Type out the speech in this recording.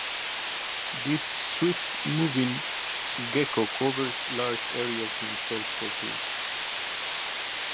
This Swift moving gecko covers large areas in search for food.